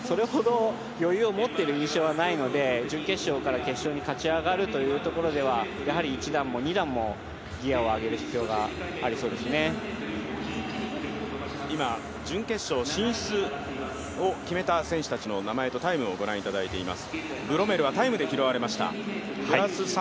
ただそれ程余裕を持っている印象はないので準決勝から決勝に勝ち上がるというところではやはりやはり一段も二段もギアを上げる必準決勝進出を決めた選手たちの名前とタイムをご覧いただいています。